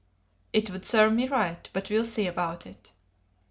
"It would serve me right; but we'll see about it."